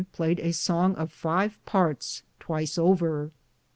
played a song of 5 partes twyse over.